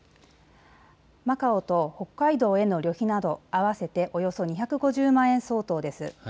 マカオと北海道への旅費など合わせておよそ２５０万円相当です。